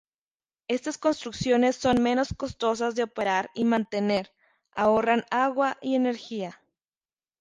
Estas construcciones son menos costosas de operar y mantener, ahorran agua y energía.